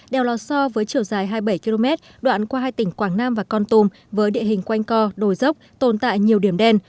đèo lò so với chiều dài hai mươi bảy km đoạn qua hai tỉnh quảng nam và con tum với địa hình quanh co đồi dốc tồn tại nhiều điểm đen